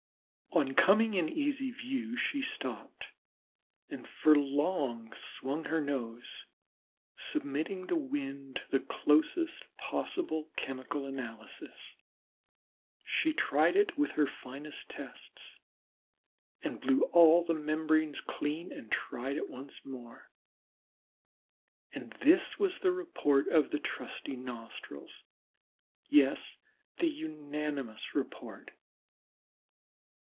On coming in easy view she stopped, and for long swung her nose, submitting the wind to the closest possible chemical analysis. She tried it with her finest tests, blew all the membranes clean again and tried it once more; and this was the report of the trusty nostrils, yes, the unanimous report.